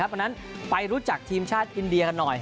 เพราะฉะนั้นไปรู้จักทีมชาติอินเดียกันหน่อย